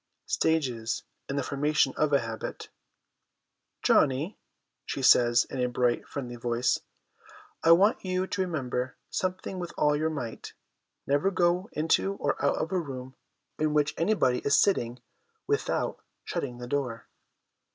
Stages in the Formation of a Habit. ' Johnny,' she says, in a bright, friendly voice, ' I want you to remember something with all your might : never go into or out of a room in which anybody is sitting without shutting the door.'